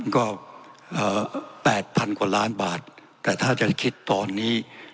ก็๘๐๐๐กว่าล้านบาทแต่ถ้าจะคิดตอนนี้